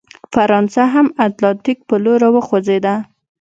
فرانسه هم اتلانتیک په لور راوخوځېده.